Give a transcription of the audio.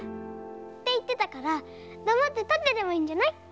っていってたからだまってたってればいいんじゃない？